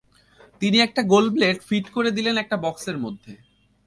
তিনি একটা গোল ব্লেড ফিট করে দিলেন একটা বক্সের মধ্যে।